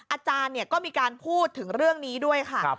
อาจารย์ก็มีการพูดถึงเรื่องนี้ด้วยค่ะ